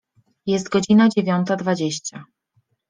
Jest godzina dziewiąta dwadzieścia.